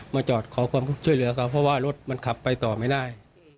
จอดขอความช่วยเหลือเขาเพราะว่ารถมันขับไปต่อไม่ได้